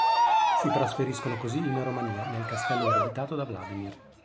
Si trasferiscono così in Romania, nel castello ereditato da Vladimir.